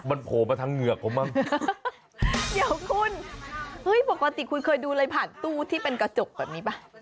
มันโผล่มาทั้งเหงือกผมบ้างเดี๋ยวคุณเฮ้ยปกติคุณเคยดูอะไรผ่านตู้ที่เป็นกระจกแบบนี้ป่ะ